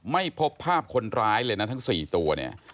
ไม่พบภาพคนร้ายเลยทั้งสี่ตัว